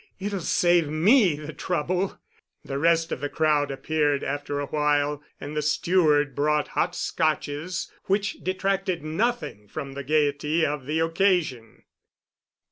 It'll save me the trouble." The rest of the crowd appeared after a while, and the steward brought hot Scotches, which detracted nothing from the gayety of the occasion.